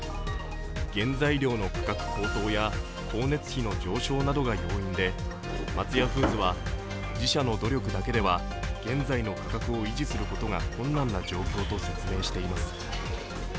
原材料の価格高騰や光熱費の上昇などが要因で松屋フーズは自社の努力だけでは現在の価格を維持することが困難な状況と説明しています。